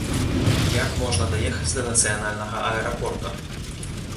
Як можна даехаць да нацыянальнага аэрапорта?